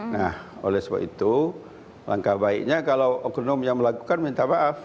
nah oleh sebab itu langkah baiknya kalau oknum yang melakukan minta maaf